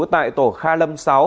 tại tổ kha lâm sáu